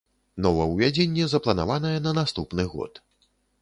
Новаўвядзенне запланаванае на наступны год.